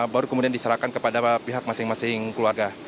baru kemudian diserahkan kepada pihak masing masing keluarga